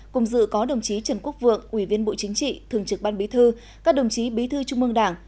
cùng dự có đồng chí trần quốc vượng ủy viên bộ chính trị thường trực ban bí thư các đồng chí bí thư trung mương đảng